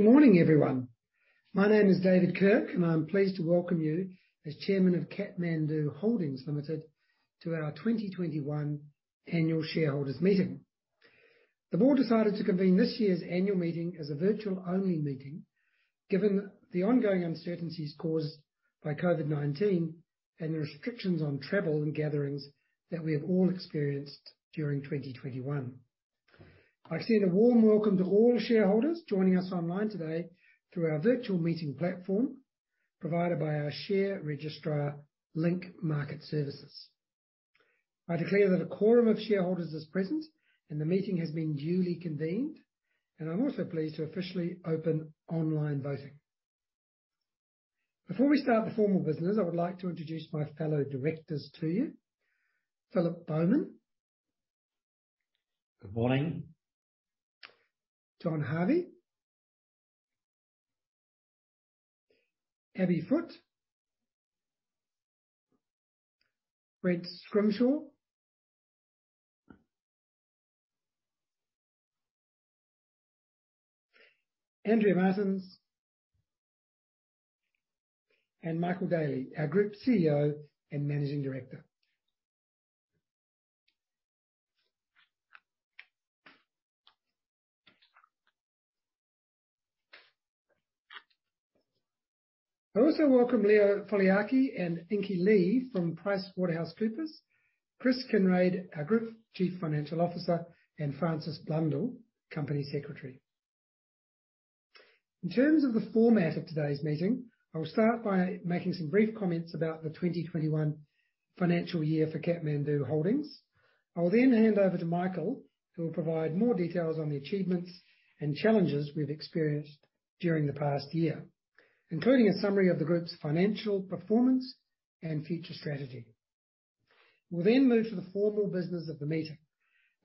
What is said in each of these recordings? Good morning, everyone. My name is David Kirk, and I'm pleased to welcome you as Chairman of Kathmandu Holdings Limited to our 2021 annual shareholders meeting. The board decided to convene this year's annual meeting as a virtual only meeting, given the ongoing uncertainties caused by COVID-19 and the restrictions on travel and gatherings that we have all experienced during 2021. I extend a warm welcome to all shareholders joining us online today through our virtual meeting platform provided by our share registrar, Link Market Services. I declare that a quorum of shareholders is present, and the meeting has been duly convened. I'm also pleased to officially open online voting. Before we start the formal business, I would like to introduce my fellow directors to you. Philip Bowman. Good morning. John Harvey. Abby Foote. Brent Scrimshaw. Andrea Martens. Michael Daly, our Group CEO and Managing Director. I also welcome Leopino Foliaki and Inga Lee from PricewaterhouseCoopers, Chris Kinraid, our Group Chief Financial Officer, and Frances Blundell, Company Secretary. In terms of the format of today's meeting, I will start by making some brief comments about the 2021 financial year for Kathmandu Holdings. I will then hand over to Michael, who will provide more details on the achievements and challenges we've experienced during the past year, including a summary of the group's financial performance and future strategy. We'll then move to the formal business of the meeting.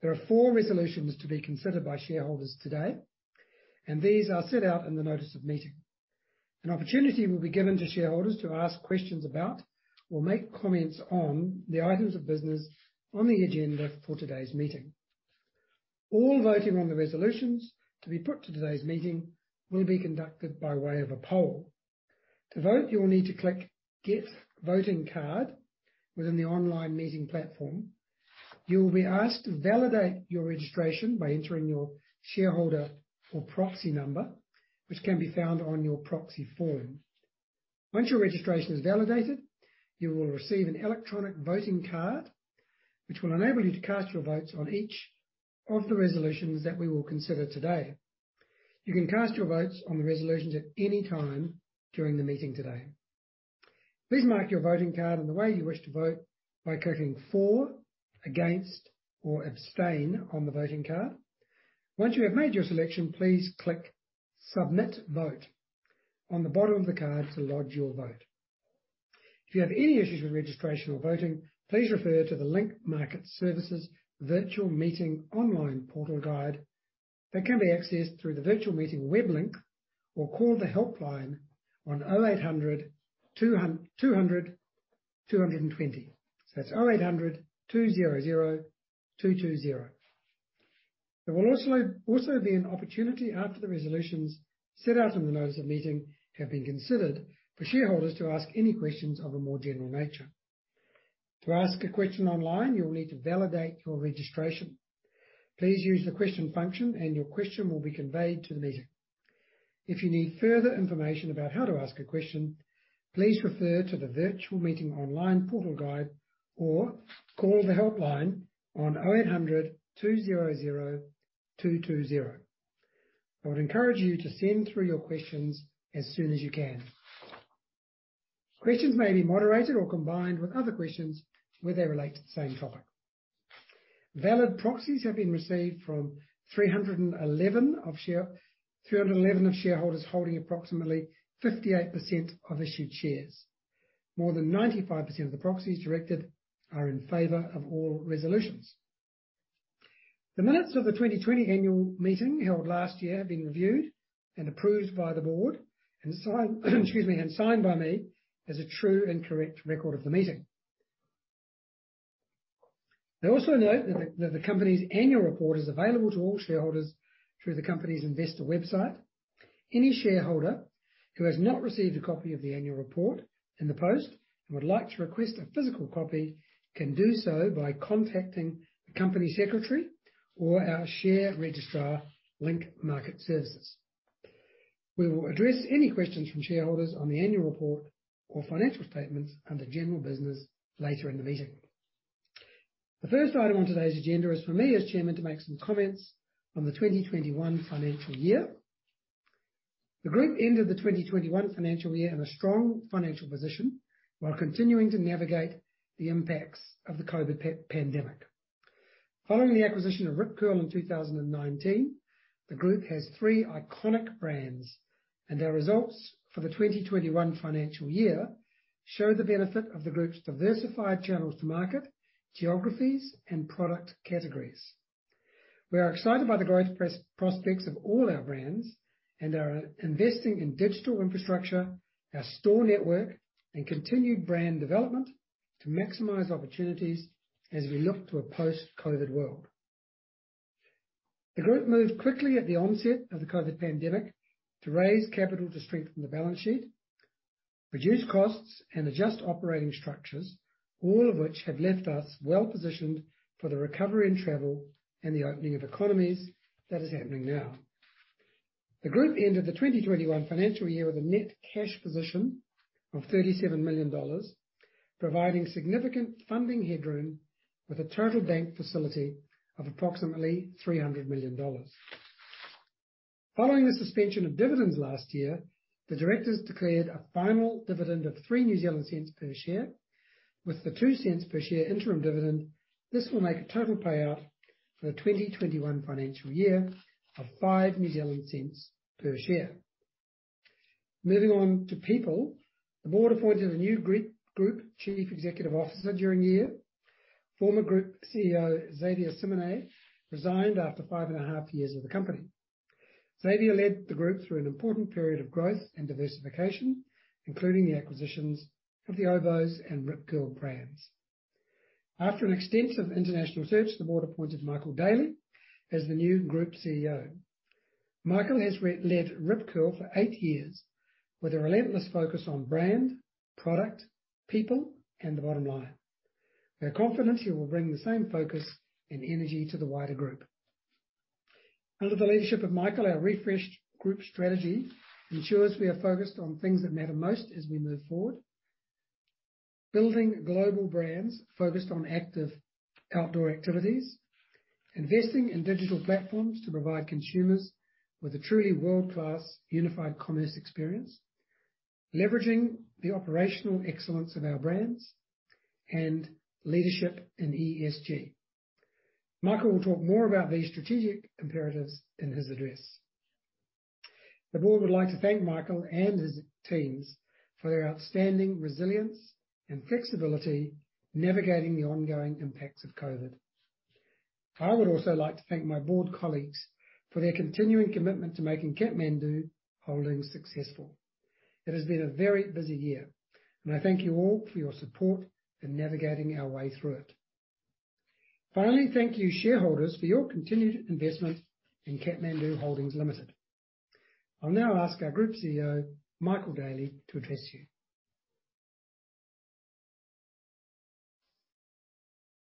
There are four resolutions to be considered by shareholders today, and these are set out in the notice of meeting. An opportunity will be given to shareholders to ask questions about or make comments on the items of business on the agenda for today's meeting. All voting on the resolutions to be put to today's meeting will be conducted by way of a poll. To vote, you'll need to click Get Voting Card within the online meeting platform. You will be asked to validate your registration by entering your shareholder or proxy number, which can be found on your proxy form. Once your registration is validated, you will receive an electronic voting card, which will enable you to cast your votes on each of the resolutions that we will consider today. You can cast your votes on the resolutions at any time during the meeting today. Please mark your voting card in the way you wish to vote by clicking For, Against, or Abstain on the voting card. Once you have made your selection, please click Submit Vote on the bottom of the card to lodge your vote. If you have any issues with registration or voting, please refer to the Link Market Services Virtual Meeting online portal guide that can be accessed through the virtual meeting web link or call the helpline on 0800 200 220. So that's 0800 200 220. There will also be an opportunity after the resolutions set out in the notice of meeting have been considered for shareholders to ask any questions of a more general nature. To ask a question online, you will need to validate your registration. Please use the question function, and your question will be conveyed to the meeting. If you need further information about how to ask a question, please refer to the Virtual Meeting online portal guide or call the helpline on 0800 200 220. I would encourage you to send through your questions as soon as you can. Questions may be moderated or combined with other questions where they relate to the same topic. Valid proxies have been received from 311 of shareholders holding approximately 58% of issued shares. More than 95% of the proxies directed are in favor of all resolutions. The minutes of the 2020 annual meeting held last year have been reviewed and approved by the board and signed by me as a true and correct record of the meeting. I also note that the company's annual report is available to all shareholders through the company's investor website. Any shareholder who has not received a copy of the annual report in the post and would like to request a physical copy can do so by contacting the company secretary or our share registrar, Link Market Services. We will address any questions from shareholders on the annual report or financial statements under general business later in the meeting. The first item on today's agenda is for me as chairman to make some comments on the 2021 financial year. The group ended the 2021 financial year in a strong financial position while continuing to navigate the impacts of the COVID pandemic. Following the acquisition of Rip Curl in 2019, the group has three iconic brands, and our results for the 2021 financial year show the benefit of the group's diversified channels to market, geographies, and product categories. We are excited by the growth prospects of all our brands and are investing in digital infrastructure, our store network, and continued brand development to maximize opportunities as we look to a post-COVID world. The group moved quickly at the onset of the COVID pandemic to raise capital to strengthen the balance sheet, reduce costs, and adjust operating structures, all of which have left us well-positioned for the recovery in travel and the opening of economies that is happening now. The group ended the 2021 financial year with a net cash position of 37 million dollars, providing significant funding headroom with a total bank facility of approximately 300 million dollars. Following the suspension of dividends last year, the directors declared a final dividend of 0.03 per share. With the 0.2 Per share interim dividend, this will make a total payout for the 2021 financial year of 0.05 per share. Moving on to people. The board appointed a new Group Chief Executive Officer during the year. Former Group CEO Xavier Simonet resigned after 5.5 years with the company. Xavier led the group through an important period of growth and diversification, including the acquisitions of the Oboz and Rip Curl brands. After an extensive international search, the board appointed Michael Daly as the new Group CEO. Michael has led Rip Curl for 8 years with a relentless focus on brand, product, people, and the bottom line. We are confident he will bring the same focus and energy to the wider group. Under the leadership of Michael, our refreshed group strategy ensures we are focused on things that matter most as we move forward, building global brands focused on active outdoor activities, investing in digital platforms to provide consumers with a truly world-class unified commerce experience, leveraging the operational excellence of our brands and leadership in ESG. Michael will talk more about these strategic imperatives in his address. The board would like to thank Michael and his teams for their outstanding resilience and flexibility navigating the ongoing impacts of COVID. I would also like to thank my board colleagues for their continuing commitment to making Kathmandu Holdings successful. It has been a very busy year, and I thank you all for your support in navigating our way through it. Finally, thank you, shareholders, for your continued investment in Kathmandu Holdings Limited. I'll now ask our Group CEO, Michael Daly, to address you.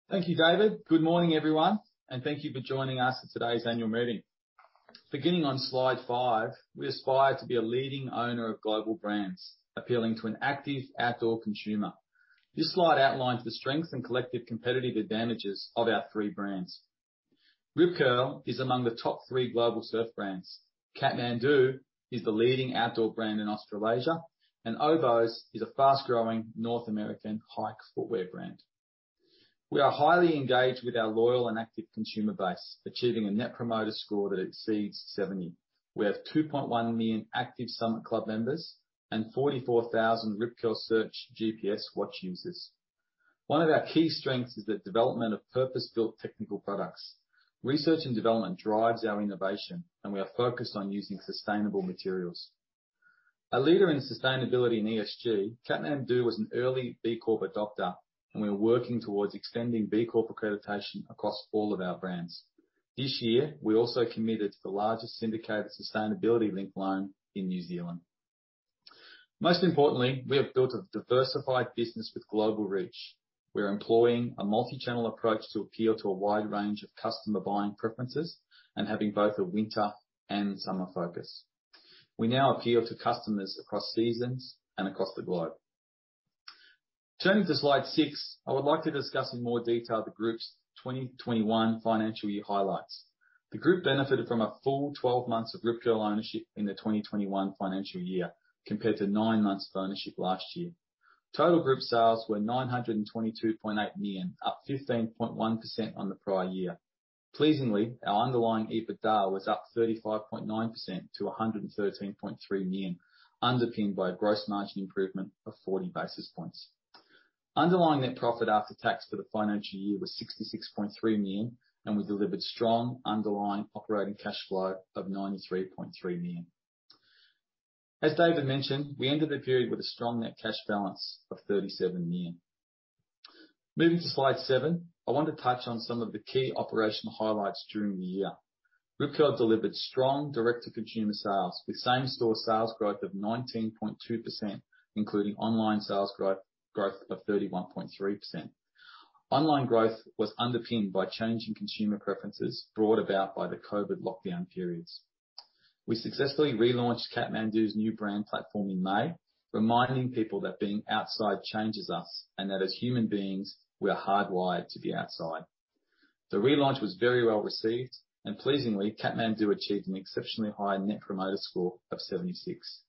Thank you, David. Good morning, everyone, and thank you for joining us for today's annual meeting. Beginning on slide five, we aspire to be a leading owner of global brands appealing to an active outdoor consumer. This slide outlines the strengths and collective competitive advantages of our three brands. Rip Curl is among the top three global surf brands. Kathmandu is the leading outdoor brand in Australasia. Oboz is a fast-growing North American hiking footwear brand. We are highly engaged with our loyal and active consumer base, achieving a Net Promoter Score that exceeds 70. We have 2.1 million active Summit Club members and 44,000 Rip Curl Search GPS watch users. One of our key strengths is the development of purpose-built technical products. Research and development drives our innovation, and we are focused on using sustainable materials. A leader in sustainability and ESG, Kathmandu was an early B Corp adopter, and we're working towards extending B Corp accreditation across all of our brands. This year, we also committed to the largest syndicated sustainability-linked loan in New Zealand. Most importantly, we have built a diversified business with global reach. We're employing a multi-channel approach to appeal to a wide range of customer buying preferences and having both a winter and summer focus. We now appeal to customers across seasons and across the globe. Turning to slide 6, I would like to discuss in more detail the group's 2021 financial year highlights. The group benefited from a full 12 months of Rip Curl ownership in the 2021 financial year compared to nine months of ownership last year. Total group sales were 922.8 million, up 15.1% on the prior year. Pleasingly, our underlying EBITDA was up 35.9% to 113.3 million, underpinned by a gross margin improvement of 40 basis points. Underlying net profit after tax for the financial year was 66.3 million and we delivered strong underlying operating cash flow of 93.3 million. As David mentioned, we ended the period with a strong net cash balance of 37 million. Moving to slide seven, I want to touch on some of the key operational highlights during the year. Rip Curl delivered strong direct-to-consumer sales with same-store sales growth of 19.2%, including online sales growth of 31.3%. Online growth was underpinned by changing consumer preferences brought about by the COVID lockdown periods. We successfully relaunched Kathmandu's new brand platform in May, reminding people that being outside changes us and that as human beings we are hardwired to be outside. The relaunch was very well-received, and pleasingly, Kathmandu achieved an exceptionally high Net Promoter Score of 76.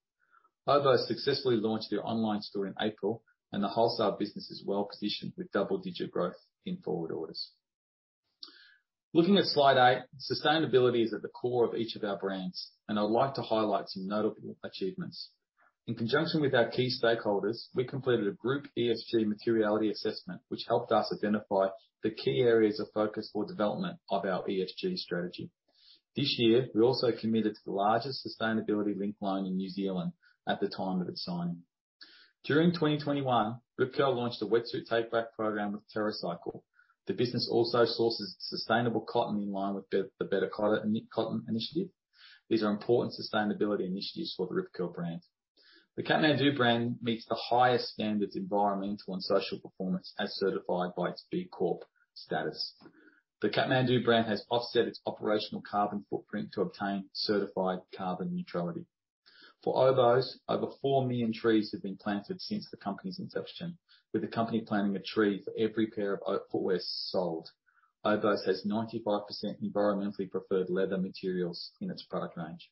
Oboz successfully launched their online store in April, and the wholesale business is well-positioned with double-digit growth in forward orders. Looking at slide eight, sustainability is at the core of each of our brands, and I'd like to highlight some notable achievements. In conjunction with our key stakeholders, we completed a group ESG materiality assessment, which helped us identify the key areas of focus for development of our ESG strategy. This year, we also committed to the largest sustainability-linked loan in New Zealand at the time of its signing. During 2021, Rip Curl launched a wetsuit take-back program with TerraCycle. The business also sources sustainable cotton in line with the Better Cotton Initiative. These are important sustainability initiatives for the Rip Curl brand. The Kathmandu brand meets the highest standards of environmental and social performance as certified by its B Corp status. The Kathmandu brand has offset its operational carbon footprint to obtain certified carbon neutrality. For Oboz, over 4 million trees have been planted since the company's inception. With the company planting a tree for every pair of Oboz footwear sold. Oboz has 95% environmentally preferred leather materials in its product range.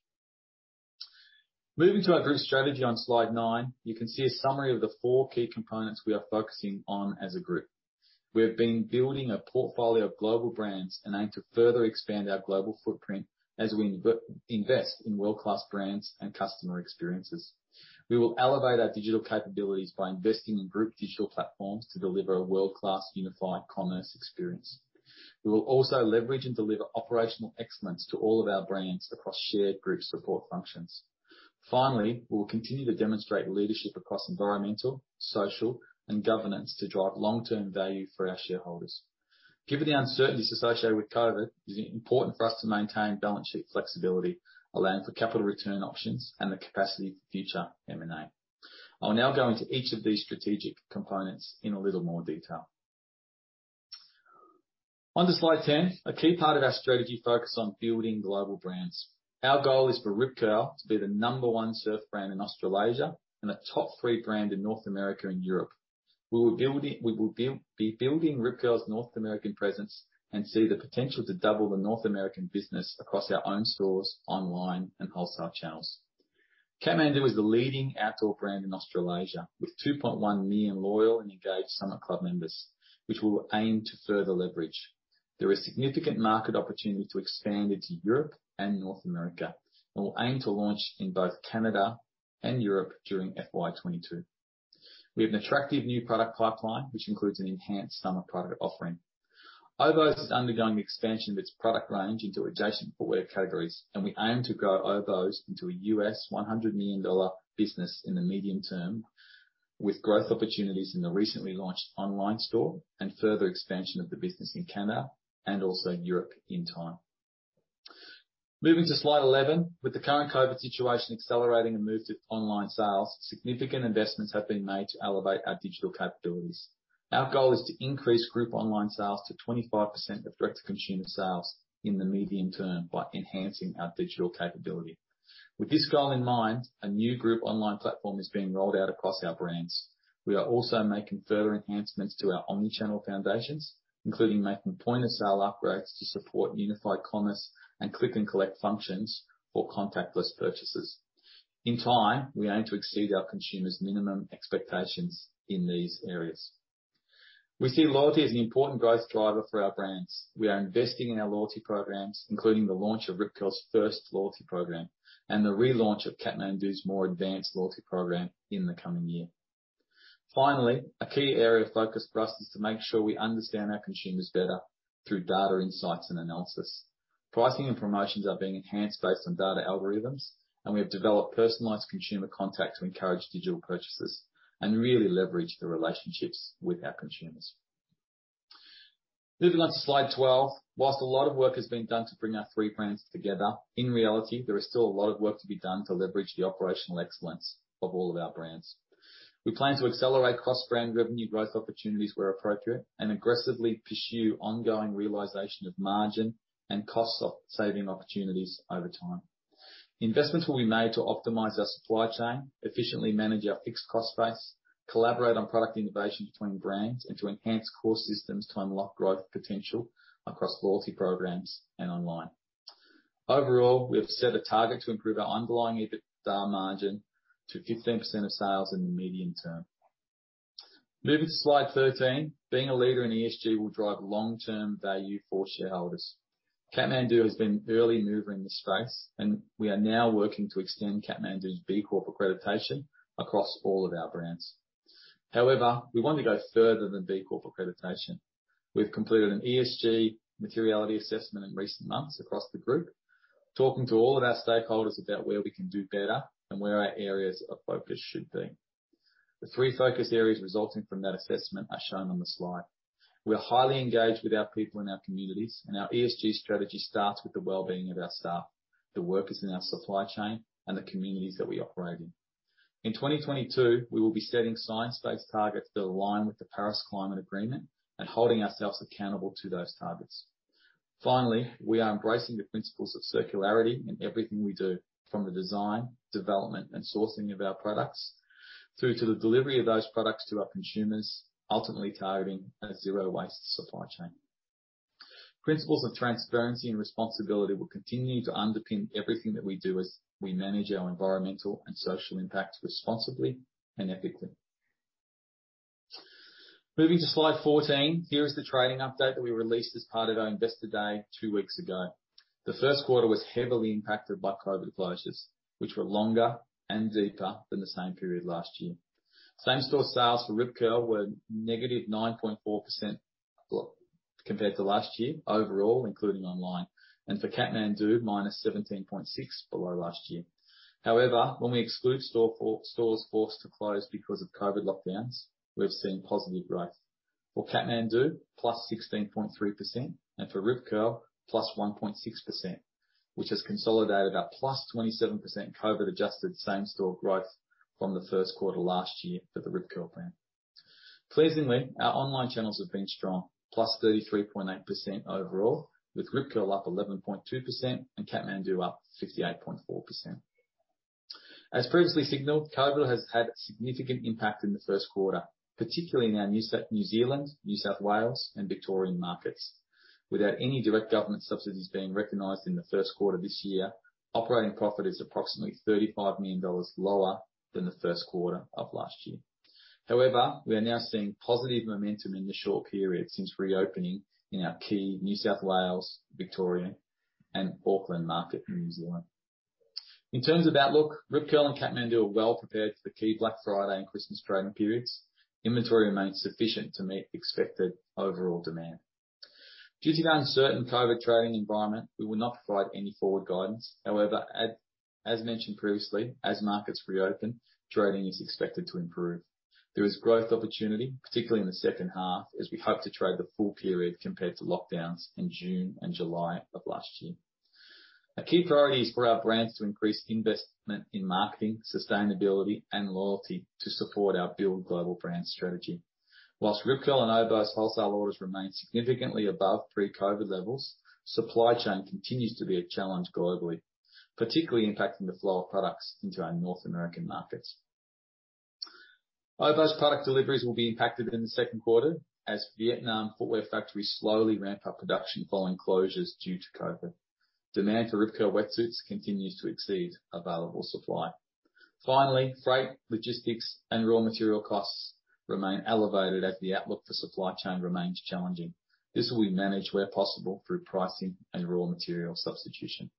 Moving to our group strategy on slide nine, you can see a summary of the four key components we are focusing on as a group. We have been building a portfolio of global brands and aim to further expand our global footprint as we invest in world-class brands and customer experiences. We will elevate our digital capabilities by investing in group digital platforms to deliver a world-class unified commerce experience. We will also leverage and deliver operational excellence to all of our brands across shared group support functions. Finally, we will continue to demonstrate leadership across environmental, social, and governance to drive long-term value for our shareholders. Given the uncertainties associated with COVID, it is important for us to maintain balance sheet flexibility, allowing for capital return options and the capacity for future M&A. I'll now go into each of these strategic components in a little more detail. On to slide 10. A key part of our strategy focus on building global brands. Our goal is for Rip Curl to be the number one surf brand in Australasia and a top three brand in North America and Europe. We will be building Rip Curl's North American presence and see the potential to double the North American business across our own stores, online, and wholesale channels. Kathmandu is the leading outdoor brand in Australasia with 2.1 million loyal and engaged Summit Club members, which we'll aim to further leverage. There is significant market opportunity to expand into Europe and North America, and we'll aim to launch in both Canada and Europe during FY 2022. We have an attractive new product pipeline, which includes an enhanced summer product offering. Oboz is undergoing expansion of its product range into adjacent footwear categories, and we aim to grow Oboz into a US $100 million business in the medium term, with growth opportunities in the recently launched online store and further expansion of the business in Canada and also Europe in time. Moving to slide 11. With the current COVID situation accelerating a move to online sales, significant investments have been made to elevate our digital capabilities. Our goal is to increase group online sales to 25% of direct-to-consumer sales in the medium term by enhancing our digital capability. With this goal in mind, a new group online platform is being rolled out across our brands. We are also making further enhancements to our omni-channel foundations, including making point-of-sale upgrades to support unified commerce and click-and-collect functions for contactless purchases. In time, we aim to exceed our consumers' minimum expectations in these areas. We see loyalty as an important growth driver for our brands. We are investing in our loyalty programs, including the launch of Rip Curl's first loyalty program and the relaunch of Kathmandu's more advanced loyalty program in the coming year. Finally, a key area of focus for us is to make sure we understand our consumers better through data insights and analysis. Pricing and promotions are being enhanced based on data algorithms, and we have developed personalized consumer contact to encourage digital purchases and really leverage the relationships with our consumers. Moving on to slide 12. While a lot of work has been done to bring our three brands together, in reality, there is still a lot of work to be done to leverage the operational excellence of all of our brands. We plan to accelerate cross-brand revenue growth opportunities where appropriate and aggressively pursue ongoing realization of margin and cost-saving opportunities over time. Investments will be made to optimize our supply chain, efficiently manage our fixed cost base, collaborate on product innovation between brands, and to enhance core systems to unlock growth potential across loyalty programs and online. Overall, we have set a target to improve our underlying EBITDA margin to 15% of sales in the medium term. Moving to slide 13. Being a leader in ESG will drive long-term value for shareholders. Kathmandu has been early mover in this space, and we are now working to extend Kathmandu's B Corp accreditation across all of our brands. However, we want to go further than B Corp accreditation. We've completed an ESG materiality assessment in recent months across the group, talking to all of our stakeholders about where we can do better and where our areas of focus should be. The three focus areas resulting from that assessment are shown on the slide. We are highly engaged with our people and our communities, and our ESG strategy starts with the well-being of our staff, the workers in our supply chain, and the communities that we operate in. In 2022, we will be setting science-based targets that align with the Paris Agreement and holding ourselves accountable to those targets. Finally, we are embracing the principles of circularity in everything we do, from the design, development, and sourcing of our products, through to the delivery of those products to our consumers, ultimately targeting a zero-waste supply chain. Principles of transparency and responsibility will continue to underpin everything that we do as we manage our environmental and social impact responsibly and ethically. Moving to slide 14. Here is the trading update that we released as part of our Investor Day two weeks ago. The first quarter was heavily impacted by COVID closures, which were longer and deeper than the same period last year. Same-store sales for Rip Curl were negative 9.4% compared to last year overall, including online. For Kathmandu, -17.6% below last year. However, when we exclude stores forced to close because of COVID lockdowns, we've seen positive growth. For Kathmandu, +16.3%, and for Rip Curl, +1.6%, which has consolidated our +27% COVID-adjusted same-store growth from the first quarter last year for the Rip Curl brand. Pleasingly, our online channels have been strong, +33.8% overall, with Rip Curl up 11.2% and Kathmandu up 58.4%. As previously signaled, COVID has had a significant impact in the first quarter, particularly in our New Zealand, New South Wales, and Victorian markets. Without any direct government subsidies being recognized in the first quarter this year, operating profit is approximately 35 million dollars lower than the first quarter of last year. However, we are now seeing positive momentum in the short period since reopening in our key New South Wales, Victoria, and Auckland market in New Zealand. In terms of outlook, Rip Curl and Kathmandu are well prepared for the key Black Friday and Christmas trading periods. Inventory remains sufficient to meet expected overall demand. Due to the uncertain COVID trading environment, we will not provide any forward guidance. However, as mentioned previously, as markets reopen, trading is expected to improve. There is growth opportunity, particularly in the second half, as we hope to trade the full period compared to lockdowns in June and July of last year. Our key priority is for our brands to increase investment in marketing, sustainability, and loyalty to support our build global brand strategy. While Rip Curl and Oboz wholesale orders remain significantly above pre-COVID levels, supply chain continues to be a challenge globally, particularly impacting the flow of products into our North American markets. Oboz product deliveries will be impacted in the second quarter as Vietnam footwear factories slowly ramp up production following closures due to COVID. Demand for Rip Curl wetsuits continues to exceed available supply. Finally, freight, logistics, and raw material costs remain elevated as the outlook for supply chain remains challenging. This will be managed where possible through pricing and raw material substitution.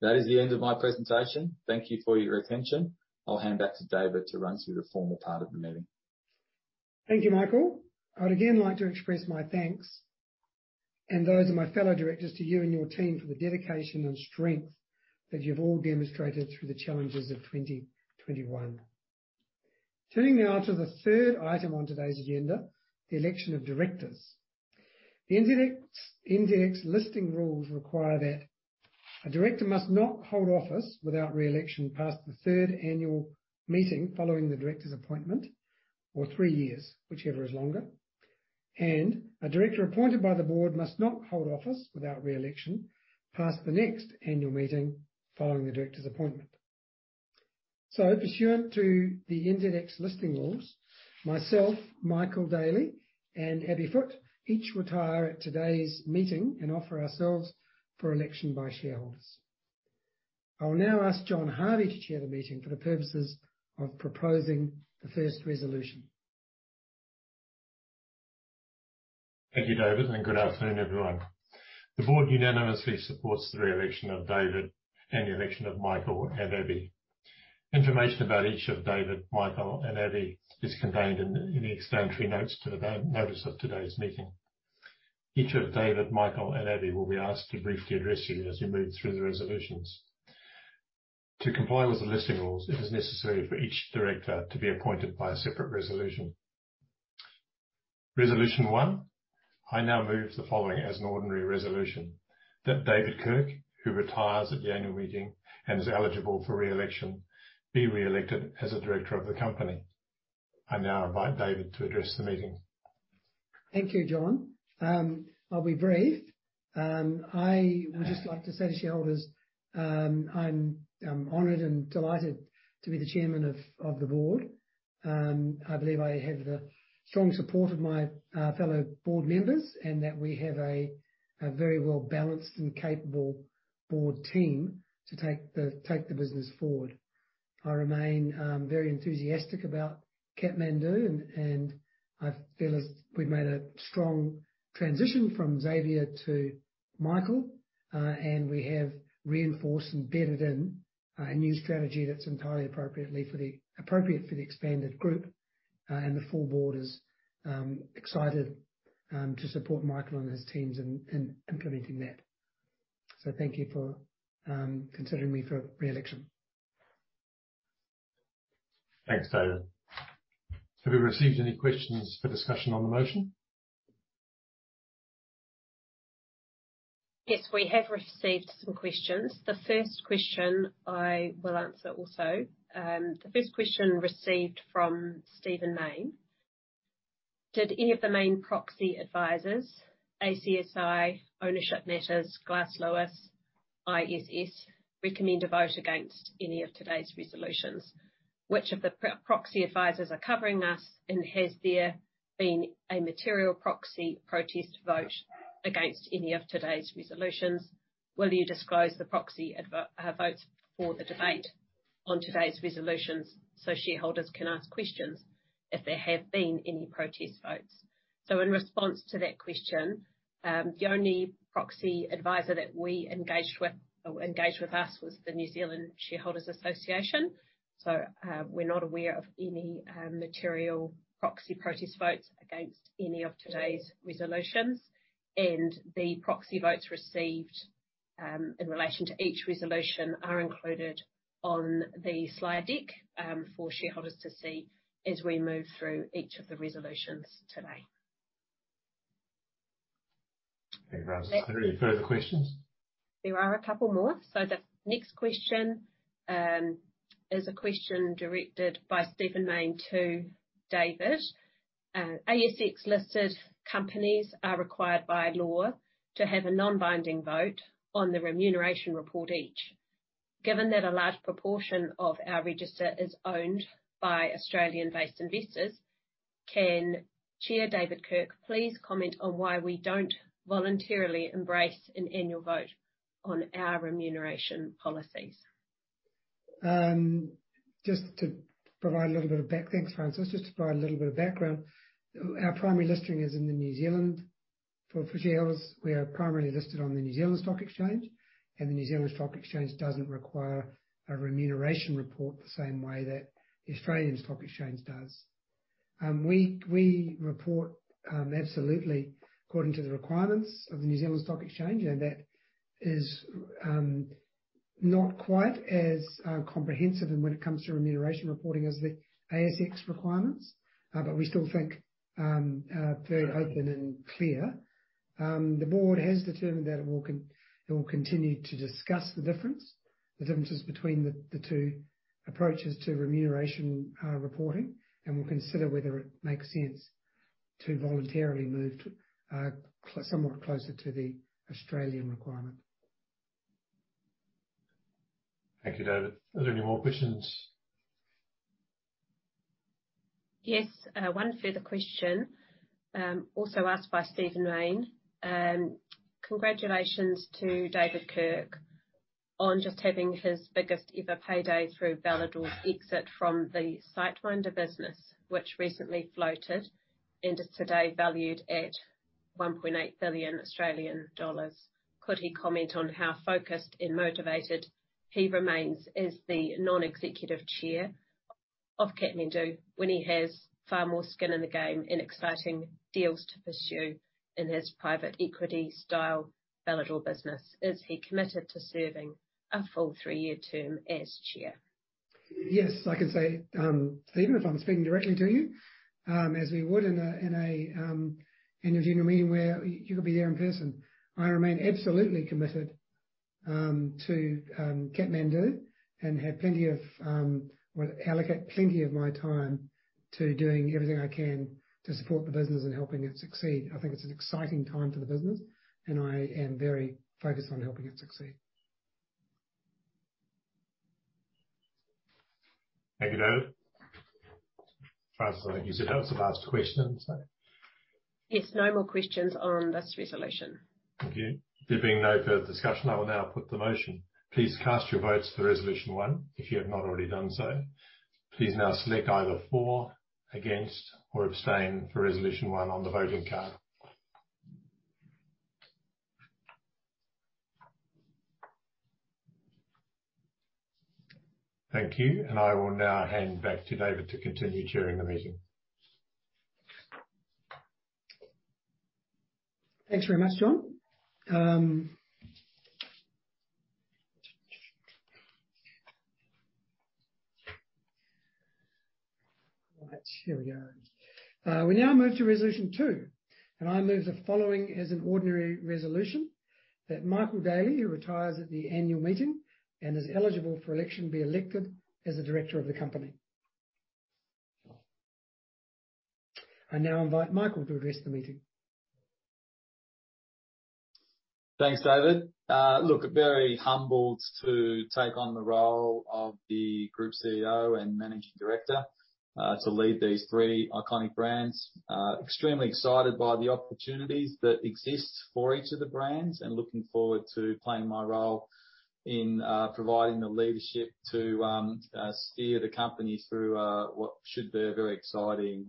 That is the end of my presentation. Thank you for your attention. I'll hand back to David to run through the formal part of the meeting. Thank you, Michael. I would again like to express my thanks, and those of my fellow directors to you and your team for the dedication and strength that you've all demonstrated through the challenges of 2021. Turning now to the third item on today's agenda, the election of directors. The NZX listing rules require that a director must not hold office without re-election past the third annual meeting following the director's appointment, or three years, whichever is longer. A director appointed by the board must not hold office without re-election past the next annual meeting following the director's appointment. Pursuant to the NZX listing rules, myself, Michael Daly, and Abby Foote each retire at today's meeting and offer ourselves for election by shareholders. I will now ask John Harvey to chair the meeting for the purposes of proposing the first resolution. Thank you, David, and good afternoon, everyone. The board unanimously supports the re-election of David and the election of Michael and Abby. Information about each of David, Michael, and Abby is contained in the explanatory notes to the notice of today's meeting. Each of David, Michael, and Abby will be asked to briefly address you as we move through the resolutions. To comply with the listing rules, it is necessary for each director to be appointed by a separate resolution. Resolution one, I now move the following as an ordinary resolution: That David Kirk, who retires at the annual meeting and is eligible for re-election, be re-elected as a director of the company. I now invite David to address the meeting. Thank you, John. I'll be brief. I would just like to say to shareholders, I'm honored and delighted to be the chairman of the board. I believe I have the strong support of my fellow board members and that we have a very well-balanced and capable board team to take the business forward. I remain very enthusiastic about Kathmandu and I feel as if we've made a strong transition from Xavier to Michael. We have reinforced and bedded in a new strategy that's appropriate for the expanded group. The full board is excited to support Michael and his teams in implementing that. Thank you for considering me for re-election. Thanks, David. Have you received any questions for discussion on the motion? Yes, we have received some questions. The first question I will answer also. The first question received from Stephen Mayne. Did any of the main proxy advisors, ACSI, Ownership Matters, Glass Lewis, ISS, recommend a vote against any of today's resolutions? Which of the proxy advisors are covering us, and has there been a material proxy protest vote against any of today's resolutions? Will you disclose the proxy votes before the debate on today's resolutions, so shareholders can ask questions if there have been any protest votes? In response to that question, the only proxy advisor that engaged with us was the New Zealand Shareholders' Association. We're not aware of any material proxy protest votes against any of today's resolutions. The proxy votes received in relation to each resolution are included on the slide deck for shareholders to see as we move through each of the resolutions today. Okay. Are there any further questions? There are a couple more. The next question is a question directed by Stephen Mayne to David. ASX-listed companies are required by law to have a non-binding vote on the remuneration report each. Given that a large proportion of our register is owned by Australian-based investors, can Chair David Kirk please comment on why we don't voluntarily embrace an annual vote on our remuneration policies? Thanks, Frances. Just to provide a little bit of background, our primary listing is in New Zealand. For shareholders, we are primarily listed on the New Zealand Stock Exchange, and the New Zealand Stock Exchange doesn't require a remuneration report the same way that the Australian Stock Exchange does. We report absolutely according to the requirements of the New Zealand Stock Exchange, and that is not quite as comprehensive when it comes to remuneration reporting as the ASX requirements, but we still think very open and clear. The board has determined that it will continue to discuss the differences between the two approaches to remuneration reporting, and will consider whether it makes sense to voluntarily move somewhat closer to the Australian requirement. Thank you, David. Are there any more questions? Yes. One further question, also asked by Stephen Mayne. Congratulations to David Kirk on just having his biggest ever payday through Bailador's exit from the SiteMinder business, which recently floated and is today valued at 1.8 billion Australian dollars. Could he comment on how focused and motivated he remains as the Non-Executive Chair of Kathmandu when he has far more skin in the game and exciting deals to pursue in his private equity-style Bailador business? Is he committed to serving a full three-year term as Chair? Yes. I can say, Stephen, if I'm speaking directly to you, as we would in an annual general meeting where you could be there in person. I remain absolutely committed to Kathmandu and have plenty of, well, allocate plenty of my time to doing everything I can to support the business in helping it succeed. I think it's an exciting time for the business, and I am very focused on helping it succeed. Thank you, David. Frances, I think you said that was the last question. Sorry. Yes. No more questions on this resolution. Thank you. There being no further discussion, I will now put the motion. Please cast your votes for resolution one if you have not already done so. Please now select either for, against, or abstain for resolution one on the voting card. Thank you. I will now hand back to David to continue chairing the meeting. Thanks very much, John. All right. Here we go. We now move to resolution two, and I move the following as an ordinary resolution: That Michael Daly, who retires at the annual meeting and is eligible for election, be elected as a director of the company. I now invite Michael to address the meeting. Thanks, David. Look, very humbled to take on the role of the Group CEO and Managing Director, to lead these three iconic brands. Extremely excited by the opportunities that exist for each of the brands and looking forward to playing my role in providing the leadership to steer the company through what should be a very exciting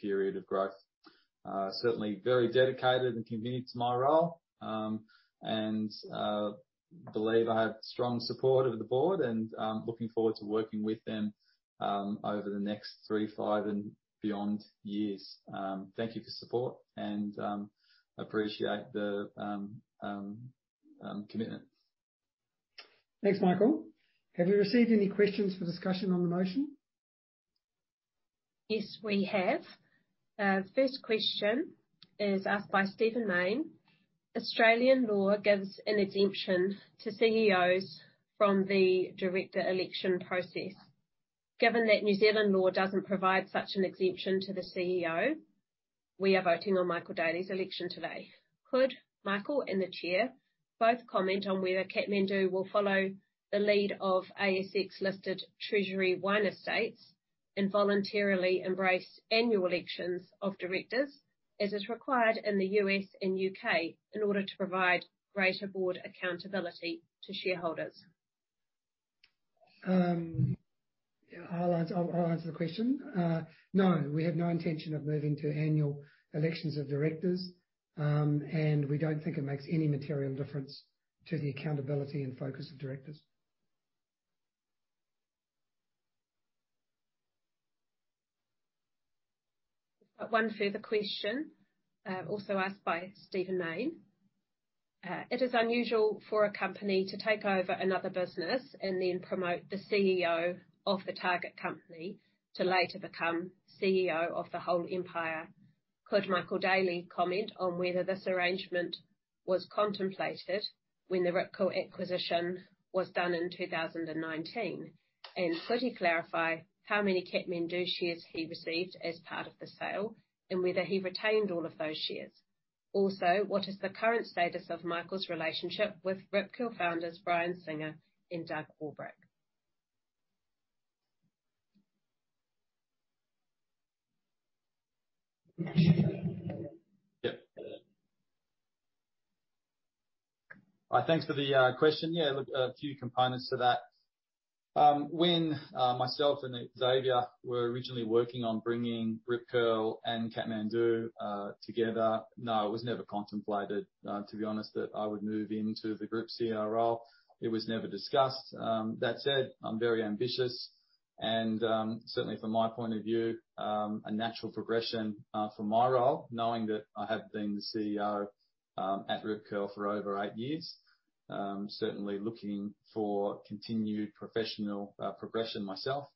period of growth. Certainly very dedicated and committed to my role, and believe I have strong support of the board and I'm looking forward to working with them over the next 3, 5, and beyond years. Thank you for the support and appreciate the commitment. Thanks, Michael. Have you received any questions for discussion on the motion? Yes, we have. First question is asked by Stephen Mayne. Australian law gives an exemption to CEOs from the director election process. Given that New Zealand law doesn't provide such an exemption to the CEO, we are voting on Michael Daly's election today. Could Michael and the Chair both comment on whether Kathmandu will follow the lead of ASX-listed Treasury Wine Estates? Voluntarily embrace annual elections of directors as is required in the U.S. and U.K. in order to provide greater board accountability to shareholders. I'll answer the question. No, we have no intention of moving to annual elections of directors. We don't think it makes any material difference to the accountability and focus of directors. One further question, also asked by Stephen Mayne. It is unusual for a company to take over another business and then promote the CEO of the target company to later become CEO of the whole empire. Could Michael Daly comment on whether this arrangement was contemplated when the Rip Curl acquisition was done in 2019? And could he clarify how many Kathmandu shares he received as part of the sale and whether he retained all of those shares? Also, what is the current status of Michael's relationship with Rip Curl founders, Brian Singer and Doug Warbrick? Yeah. Thanks for the question. Yeah, look, a few components to that. When myself and Xavier were originally working on bringing Rip Curl and Kathmandu together, no, it was never contemplated, to be honest, that I would move into the Group CEO role. It was never discussed. That said, I'm very ambitious and certainly from my point of view, a natural progression for my role, knowing that I have been the CEO at Rip Curl for over eight years. Certainly looking for continued professional progression myself.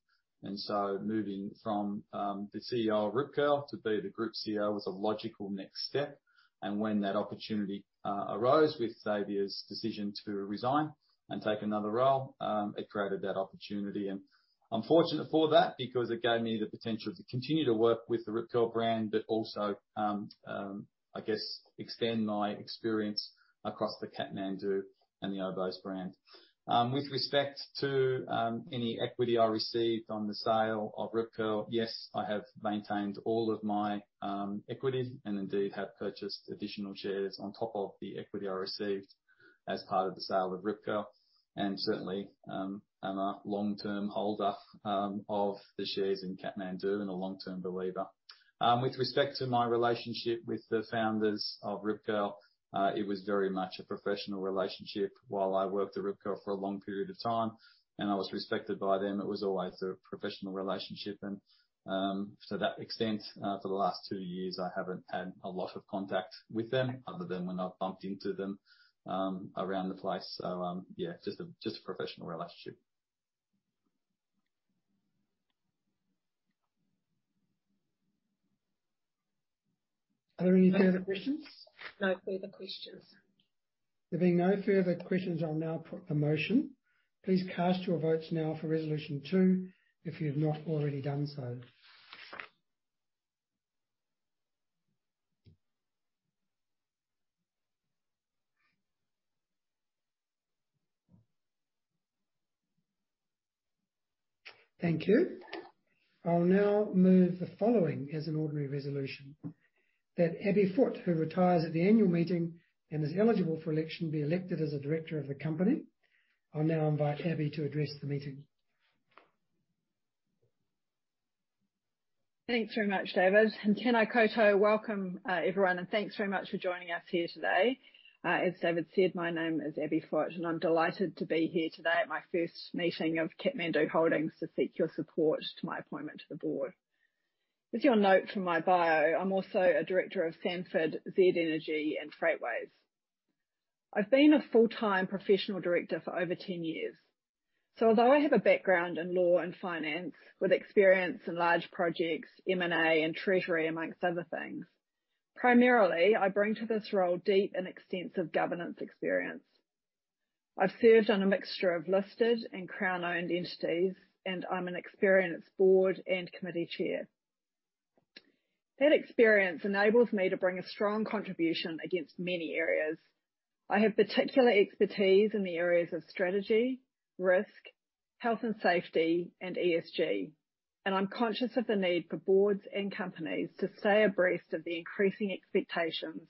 Moving from the CEO of Rip Curl to be the Group CEO was a logical next step. When that opportunity arose with Xavier's decision to resign and take another role, it created that opportunity. I'm fortunate for that because it gave me the potential to continue to work with the Rip Curl brand, but also, I guess, extend my experience across the Kathmandu and the Oboz brand. With respect to any equity I received on the sale of Rip Curl, yes, I have maintained all of my equity and indeed have purchased additional shares on top of the equity I received as part of the sale of Rip Curl. Certainly, I am a long-term holder of the shares in Kathmandu and a long-term believer. With respect to my relationship with the founders of Rip Curl, it was very much a professional relationship. While I worked at Rip Curl for a long period of time, and I was respected by them, it was always a professional relationship. To that extent, for the last two years, I haven't had a lot of contact with them other than when I've bumped into them around the place. Yeah, just a professional relationship. Are there any further questions? No further questions. There being no further questions, I'll now put the motion. Please cast your votes now for resolution two if you've not already done so. Thank you. I'll now move the following as an ordinary resolution. That Abby Foote, who retires at the annual meeting and is eligible for election, be elected as a director of the company. I'll now invite Abby to address the meeting. Thanks very much, David. Tena koutou. Welcome, everyone, and thanks very much for joining us here today. As David said, my name is Abby Foote, and I'm delighted to be here today at my first meeting of Kathmandu Holdings to seek your support to my appointment to the board. As you'll note from my bio, I'm also a director of Sanford, Z Energy, and Freightways. I've been a full-time professional director for over 10 years. Although I have a background in law and finance with experience in large projects, M&A, and treasury, among other things, primarily I bring to this role deep and extensive governance experience. I've served on a mixture of listed and Crown-owned entities, and I'm an experienced board and committee chair. That experience enables me to bring a strong contribution across many areas. I have particular expertise in the areas of strategy, risk, health and safety, and ESG, and I'm conscious of the need for boards and companies to stay abreast of the increasing expectations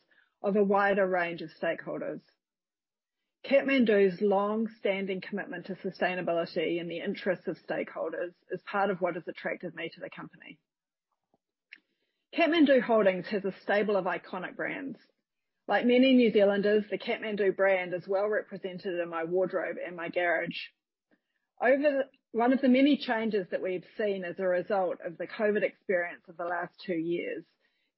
of a wider range of stakeholders. Kathmandu's long-standing commitment to sustainability and the interests of stakeholders is part of what has attracted me to the company. Kathmandu Holdings has a stable of iconic brands. Like many New Zealanders, the Kathmandu brand is well represented in my wardrobe and my garage. One of the many changes that we've seen as a result of the COVID experience of the last two years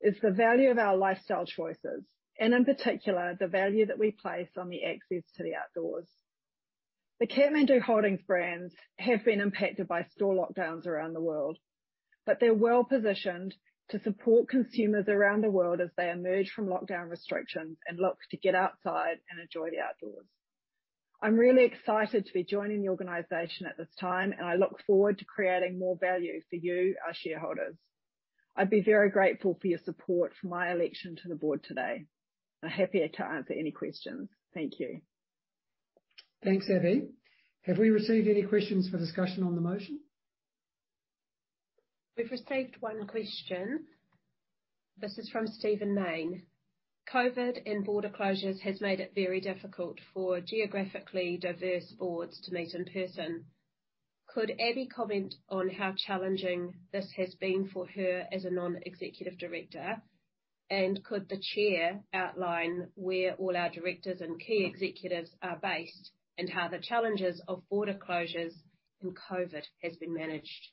is the value of our lifestyle choices and, in particular, the value that we place on the access to the outdoors. The Kathmandu Holdings brands have been impacted by store lockdowns around the world, but they're well-positioned to support consumers around the world as they emerge from lockdown restrictions and look to get outside and enjoy the outdoors. I'm really excited to be joining the organization at this time, and I look forward to creating more value for you, our shareholders. I'd be very grateful for your support for my election to the board today. I'm happy to answer any questions. Thank you. Thanks, Abby. Have we received any questions for discussion on the motion? We've received one question. This is from Stephen Mayne. COVID and border closures has made it very difficult for geographically diverse boards to meet in person. Could Abby comment on how challenging this has been for her as a Non-Executive Director? Could the chair outline where all our directors and key executives are based, and how the challenges of border closures and COVID has been managed?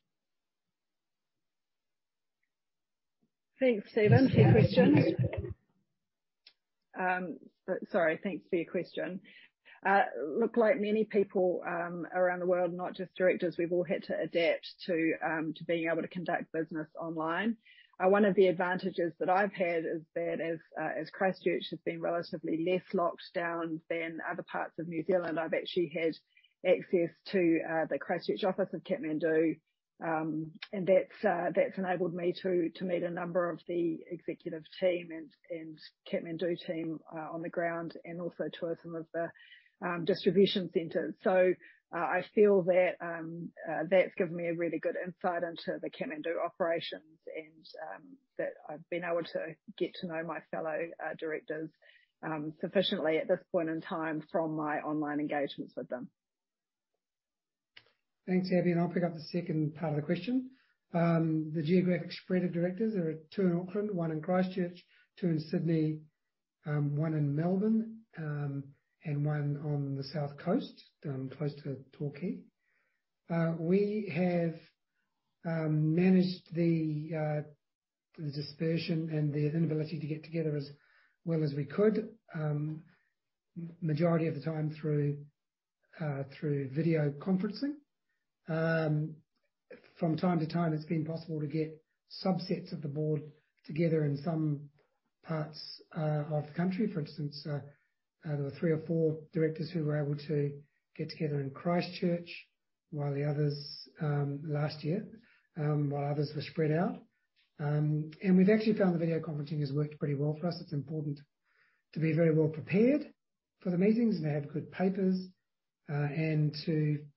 Thanks, Stephen, for your question. Sorry. Look, like many people around the world, not just directors, we've all had to adapt to being able to conduct business online. One of the advantages that I've had is that as Christchurch has been relatively less locked down than other parts of New Zealand, I've actually had access to the Christchurch office of Kathmandu. That's enabled me to meet a number of the executive team and Kathmandu team on the ground, and also tour some of the distribution centers. I feel that that's given me a really good insight into the Kathmandu operations and that I've been able to get to know my fellow directors sufficiently at this point in time from my online engagements with them. Thanks, Abby, and I'll pick up the second part of the question. The geographic spread of directors. There are two in Auckland, one in Christchurch, two in Sydney, one in Melbourne, and one on the South Coast, close to Torquay. We have managed the dispersion and the inability to get together as well as we could. Majority of the time through video conferencing. From time to time, it's been possible to get subsets of the board together in some parts of the country. For instance, there were three or four directors who were able to get together in Christchurch while the others last year, while others were spread out. We've actually found the video conferencing has worked pretty well for us. It's important to be very well prepared for the meetings and have good papers,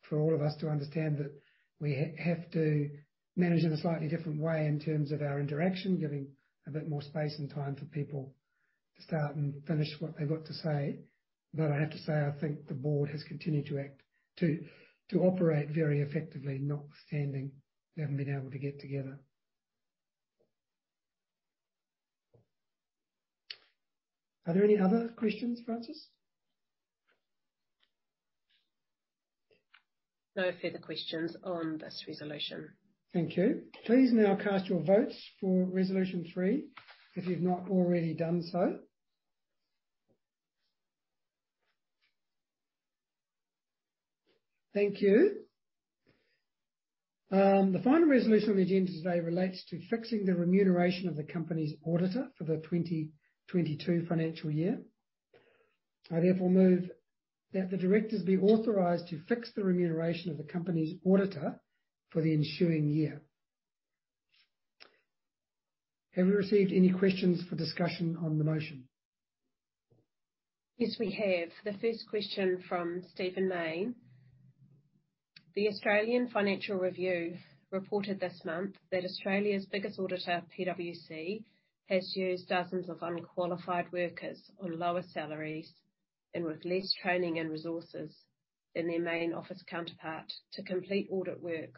for all of us to understand that we have to manage in a slightly different way in terms of our interaction, giving a bit more space and time for people to start and finish what they've got to say. I have to say, I think the board has continued to operate very effectively, notwithstanding they haven't been able to get together. Are there any other questions, Frances? No further questions on this resolution. Thank you. Please now cast your votes for resolution three, if you've not already done so. Thank you. The final resolution on the agenda today relates to fixing the remuneration of the company's auditor for the 2022 financial year. I therefore move that the directors be authorized to fix the remuneration of the company's auditor for the ensuing year. Have we received any questions for discussion on the motion? Yes, we have. The first question from Stephen Mayne. The Australian Financial Review reported this month that Australia's biggest auditor, PwC, has used dozens of unqualified workers on lower salaries and with less training and resources than their main office counterpart to complete audit work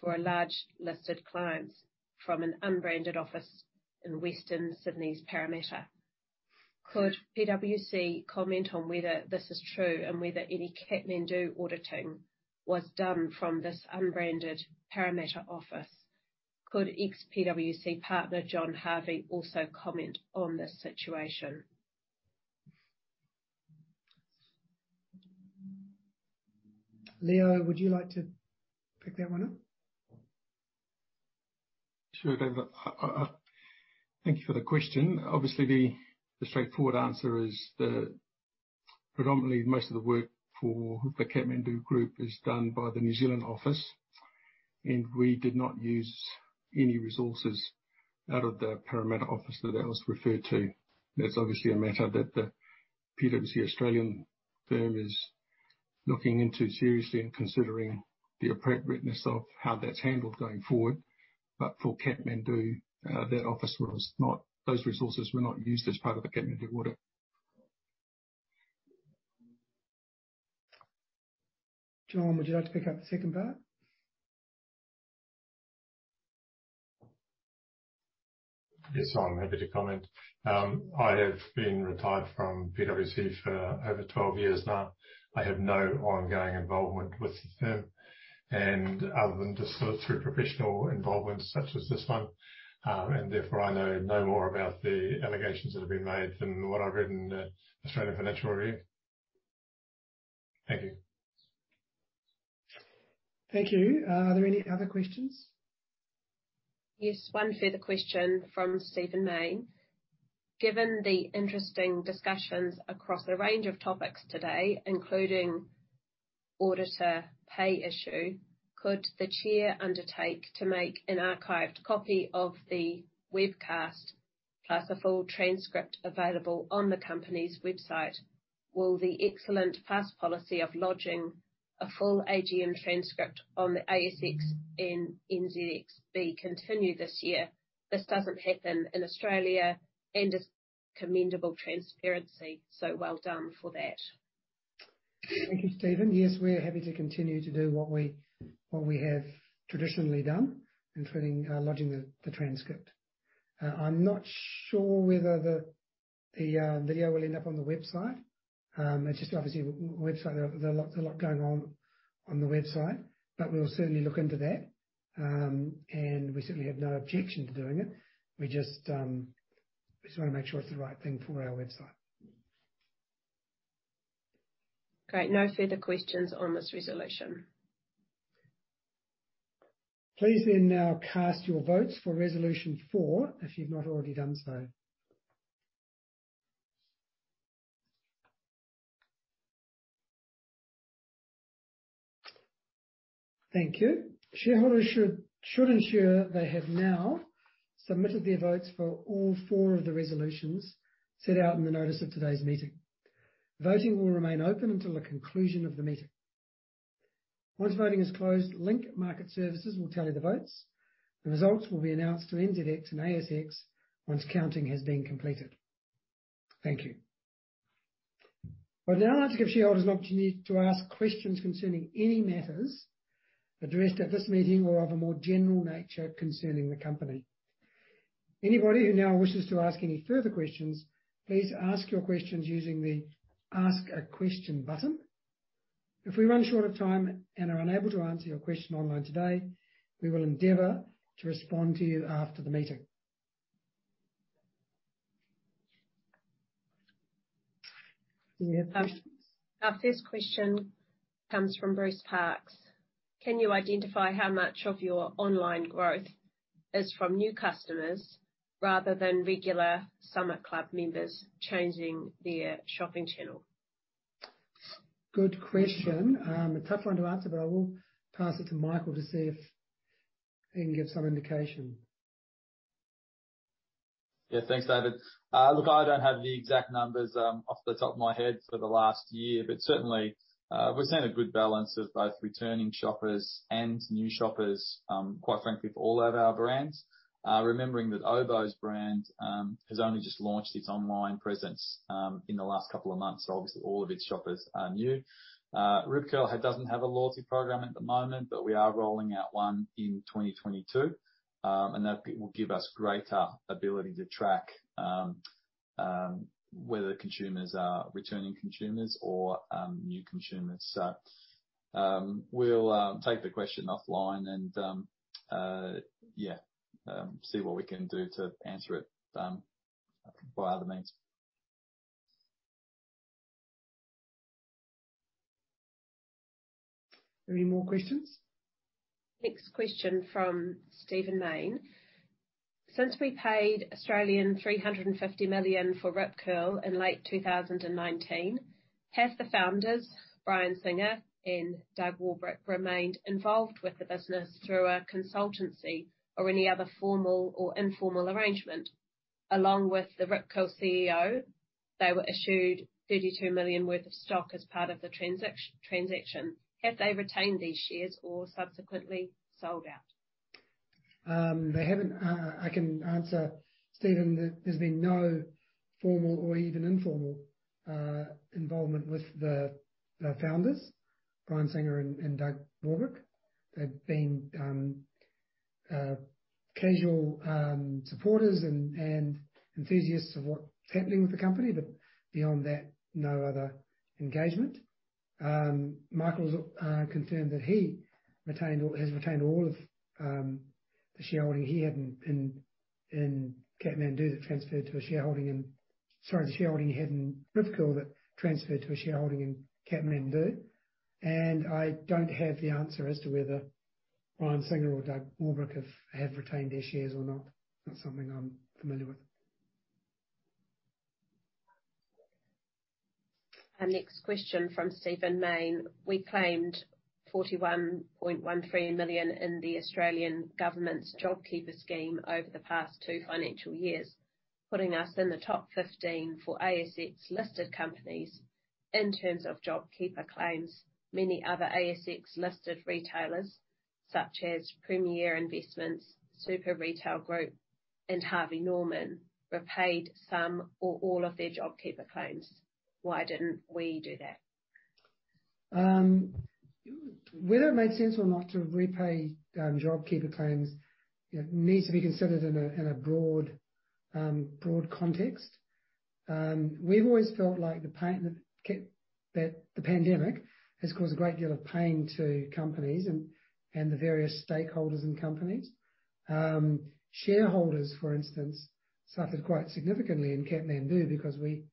for large listed clients from an unbranded office in Western Sydney's Parramatta. Could PwC comment on whether this is true and whether any Kathmandu auditing was done from this unbranded Parramatta office? Could ex-PwC partner, John Harvey, also comment on this situation? Leo, would you like to pick that one up? Sure, David. Thank you for the question. Obviously the straightforward answer is that predominantly most of the work for the Kathmandu group is done by the New Zealand office, and we did not use any resources out of the Parramatta office that was referred to. That's obviously a matter that the PwC Australian firm is looking into seriously and considering the appropriateness of how that's handled going forward. For Kathmandu, that office was not used, those resources were not used as part of the Kathmandu audit. John, would you like to pick up the second part? Yes. I'm happy to comment. I have been retired from PwC for over 12 years now. I have no ongoing involvement with the firm and other than just through professional involvement such as this one. Therefore I know no more about the allegations that have been made than what I've read in the Australian Financial Review. Thank you. Thank you. Are there any other questions? Yes, one further question from Stephen Mayne. Given the interesting discussions across a range of topics today, including auditor pay issue. Could the Chair undertake to make an archived copy of the webcast, plus a full transcript available on the company's website? Will the excellent past policy of lodging a full AGM transcript on the ASX and NZX continue this year? This doesn't happen in Australia and is commendable transparency, so well done for that. Thank you, Stephen. Yes, we are happy to continue to do what we have traditionally done, including lodging the transcript. I'm not sure whether the video will end up on the website. It's just obviously website, there's a lot going on on the website, but we'll certainly look into that. We certainly have no objection to doing it. We just wanna make sure it's the right thing for our website. Great. No further questions on this resolution. Please now cast your votes for resolution four, if you've not already done so. Thank you. Shareholders should ensure they have now submitted their votes for all four of the resolutions set out in the notice of today's meeting. Voting will remain open until the conclusion of the meeting. Once voting is closed, Link Market Services will tally the votes. The results will be announced to NZX and ASX once counting has been completed. Thank you. I'd now like to give shareholders an opportunity to ask questions concerning any matters addressed at this meeting or of a more general nature concerning the company. Anybody who now wishes to ask any further questions, please ask your questions using the Ask a Question button. If we run short of time and are unable to answer your question online today, we will endeavor to respond to you after the meeting. Do we have questions? Our first question comes from Bruce Parks. Can you identify how much of your online growth is from new customers rather than regular Summit Club members changing their shopping channel? Good question. A tough one to answer, but I will pass it to Michael to see if he can give some indication. Yeah, thanks, David. Look, I don't have the exact numbers off the top of my head for the last year, but certainly, we're seeing a good balance of both returning shoppers and new shoppers, quite frankly, for all of our brands. Remembering that Oboz brand has only just launched its online presence in the last couple of months. Obviously all of its shoppers are new. Rip Curl doesn't have a loyalty program at the moment, but we are rolling out one in 2022. That will give us greater ability to track whether consumers are returning consumers or new consumers. We'll take the question offline and yeah, see what we can do to answer it by other means. Any more questions? Next question from Stephen Mayne. Since we paid 350 million for Rip Curl in late 2019, have the founders, Brian Singer and Doug Warbrick, remained involved with the business through a consultancy or any other formal or informal arrangement? Along with the Rip Curl CEO, they were issued 32 million worth of stock as part of the transaction. Have they retained these shares or subsequently sold out? They haven't. I can answer, Stephen. There's been no formal or even informal involvement with the founders, Brian Singer and Doug Warbrick. They've been casual supporters and enthusiasts of what's happening with the company. But beyond that, no other engagement. Michael has retained all of the shareholding he had in Rip Curl that transferred to a shareholding in Kathmandu. I don't have the answer as to whether Brian Singer or Doug Warbrick have retained their shares or not. Not something I'm familiar with. Our next question from Stephen Mayne. We claimed 41.13 million in the Australian government's JobKeeper scheme over the past two financial years, putting us in the top 15 for ASX-listed companies in terms of JobKeeper claims. Many other ASX-listed retailers, such as Premier Investments, Super Retail Group, and Harvey Norman, repaid some or all of their JobKeeper claims. Why didn't we do that? Whether it made sense or not to repay JobKeeper claims, you know, needs to be considered in a broad context. We've always felt like the pain that the pandemic has caused a great deal of pain to companies and the various stakeholders in companies. Shareholders, for instance, suffered quite significantly in Kathmandu because we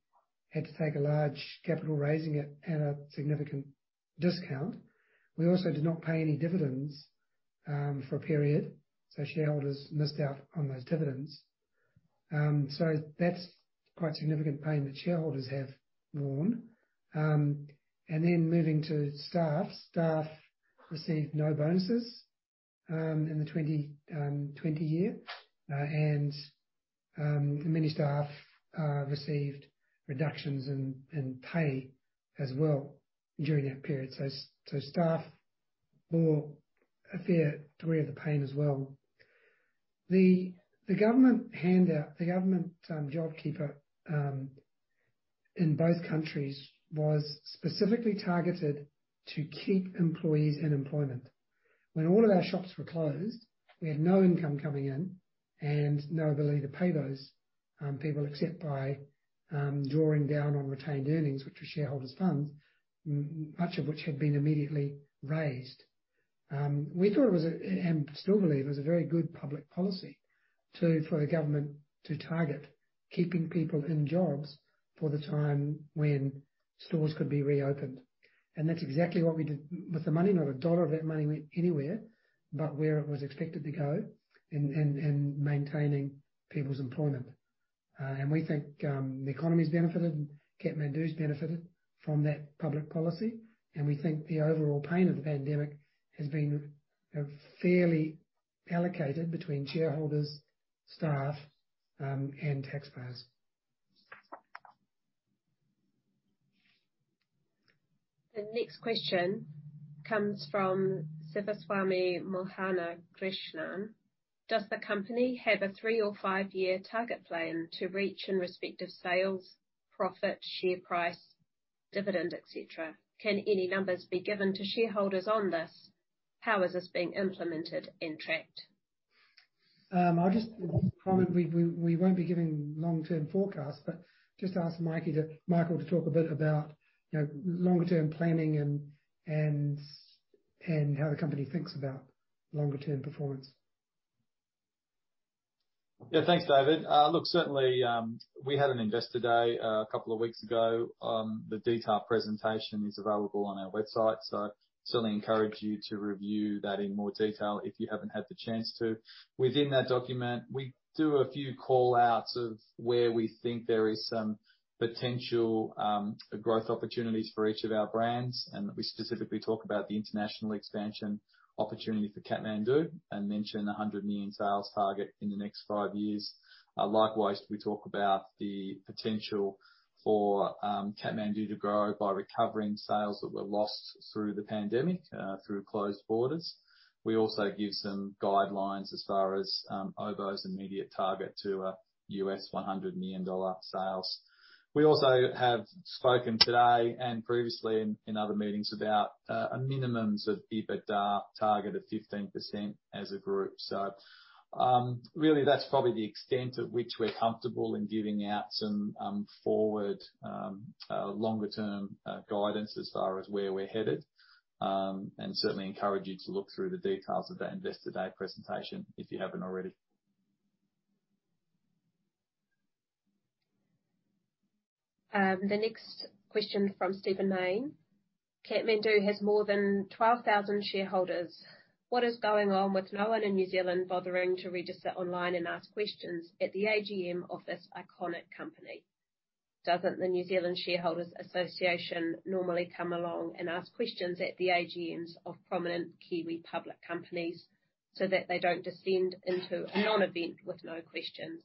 had to take a large capital raising at a significant discount. We also did not pay any dividends for a period, so shareholders missed out on those dividends. That's quite significant pain that shareholders have borne. Then moving to staff. Staff received no bonuses in 2020. Many staff received reductions in pay as well during that period. Staff bore a fair degree of the pain as well. The government handout, JobKeeper in both countries was specifically targeted to keep employees in employment. When all of our shops were closed, we had no income coming in and no ability to pay those people except by drawing down on retained earnings, which were shareholders' funds, much of which had been immediately raised. We thought it was, and still believe it was, a very good public policy for the government to target keeping people in jobs for the time when stores could be reopened. That's exactly what we did with the money. Not a dollar of that money went anywhere but where it was expected to go in maintaining people's employment. We think the economy has benefited and Kathmandu's benefited from that public policy, and we think the overall pain of the pandemic has been, you know, fairly allocated between shareholders, staff, and taxpayers. The next question comes from Sivaswamy Mohanakrishnan. Does the company have a three or five-year target plan to reach in respective sales, profit, share price, dividend, et cetera? Can any numbers be given to shareholders on this? How is this being implemented and tracked? I'll just comment. We won't be giving long-term forecasts, but just ask Michael to talk a bit about, you know, longer term planning and how the company thinks about longer term performance. Yeah. Thanks, David. Look, certainly, we had an investor day a couple of weeks ago. The detailed presentation is available on our website. Certainly encourage you to review that in more detail if you haven't had the chance to. Within that document, we do a few call-outs of where we think there is some potential, growth opportunities for each of our brands, and we specifically talk about the international expansion opportunity for Kathmandu and mention a 100 million sales target in the next five years. Likewise, we talk about the potential for Kathmandu to grow by recovering sales that were lost through the pandemic, through closed borders. We also give some guidelines as far as Oboz's immediate target to U.S. $100 million sales. We also have spoken today and previously in other meetings about a minimum of EBITDA target of 15% as a group. Really that's probably the extent at which we're comfortable in giving out some forward longer term guidance as far as where we're headed. Certainly encourage you to look through the details of that Investor Day presentation if you haven't already. The next question from Stephen Mayne. Kathmandu has more than 12,000 shareholders. What is going on with no one in New Zealand bothering to register online and ask questions at the AGM of this iconic company? Doesn't the New Zealand Shareholders' Association normally come along and ask questions at the AGMs of prominent Kiwi public companies so that they don't descend into a non-event with no questions?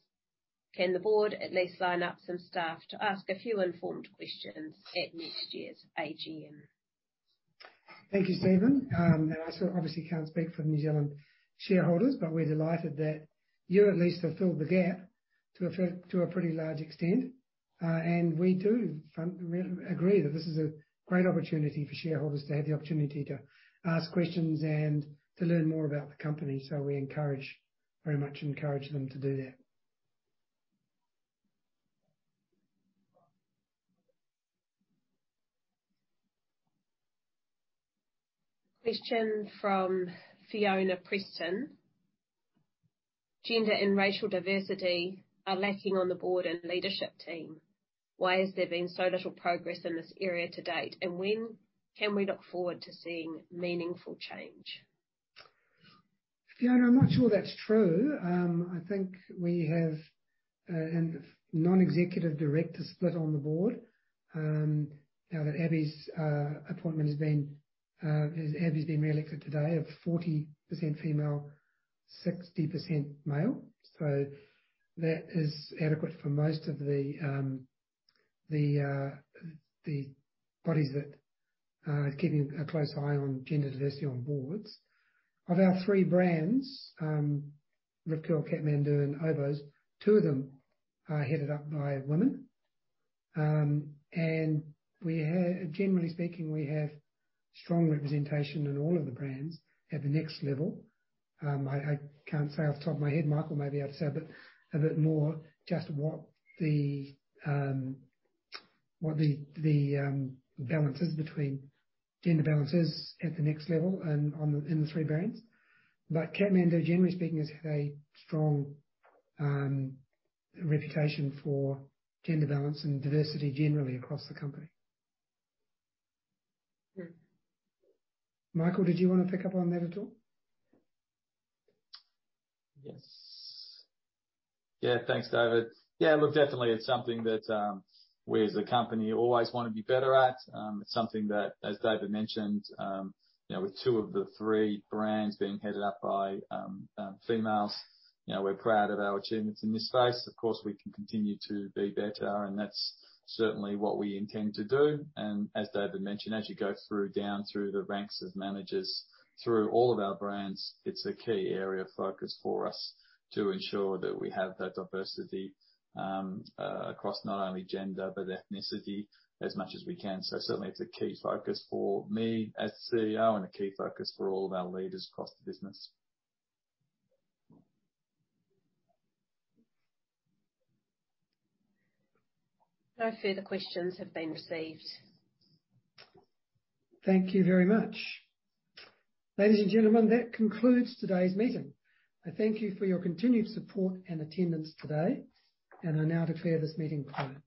Can the board at least line up some staff to ask a few informed questions at next year's AGM? Thank you, Stephen. I obviously can't speak for the New Zealand shareholders, but we're delighted that you at least have filled the gap to a pretty large extent. We agree that this is a great opportunity for shareholders to have the opportunity to ask questions and to learn more about the company. We encourage, very much encourage them to do that. Question from Fiona Preston. Gender and racial diversity are lacking on the board and leadership team. Why has there been so little progress in this area to date? And when can we look forward to seeing meaningful change? Fiona, I'm not sure that's true. I think we have a non-executive director split on the board now that Abby's been reelected today of 40% female, 60% male. That is adequate for most of the bodies that are keeping a close eye on gender diversity on boards. Of our three brands, Rip Curl, Kathmandu, and Oboz, two of them are headed up by women. And we have generally speaking strong representation in all of the brands at the next level. I can't say off the top of my head. Michael may be able to say a bit more just what the gender balance is at the next level and in the three brands. Kathmandu, generally speaking, has had a strong reputation for gender balance and diversity generally across the company. Mm-hmm. Michael, did you wanna pick up on that at all? Yes. Yeah. Thanks, David. Yeah, look, definitely it's something that we as a company always wanna be better at. It's something that, as David mentioned, you know, with two of the three brands being headed up by females, you know, we're proud of our achievements in this space. Of course, we can continue to be better, and that's certainly what we intend to do. As David mentioned, as you go through, down through the ranks of managers, through all of our brands, it's a key area of focus for us to ensure that we have that diversity across not only gender, but ethnicity as much as we can. Certainly it's a key focus for me as CEO and a key focus for all of our leaders across the business. No further questions have been received. Thank you very much. Ladies and gentlemen, that concludes today's meeting. I thank you for your continued support and attendance today, and I now declare this meeting closed.